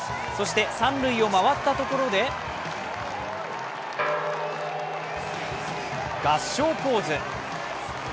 そして３塁を回ったところで合掌ポーズ。